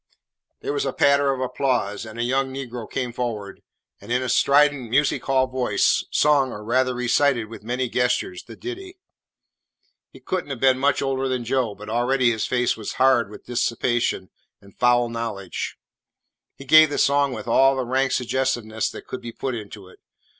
'" There was a patter of applause, and a young negro came forward, and in a strident, music hall voice, sung or rather recited with many gestures the ditty. He could n't have been much older than Joe, but already his face was hard with dissipation and foul knowledge. He gave the song with all the rank suggestiveness that could be put into it.